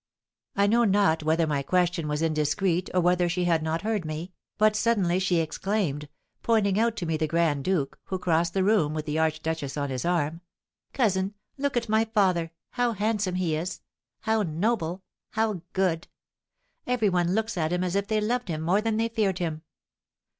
I know not whether my question was indiscreet or whether she had not heard me, but suddenly she exclaimed, pointing out to me the grand duke, who crossed the room with the archduchess on his arm, "Cousin, look at my father, how handsome he is! how noble! how good! Every one looks at him as if they loved him more than they feared him."